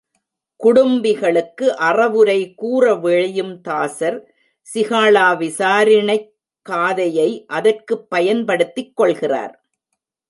குடும்பிகளுக்கு அறவுரை கூறவிழையும் தாசர் சிகாளா விசாரிணைக் காதை யை அதற்குப் பயன்படுத்திக் கொள்கிறார்.